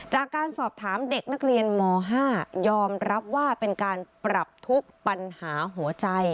จากการสอบถามเด็กนักเรียนม๕ยอมรับว่าเป็นการปรับทุกปัญหาหัวใจ